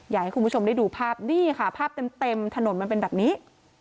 อยากให้คุณผู้ชมได้ดูภาพนี่ค่ะภาพเต็มถนนมันเป็นแบบนี้